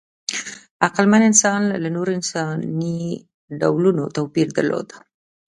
عقلمن انسانان له نورو انساني ډولونو توپیر درلود.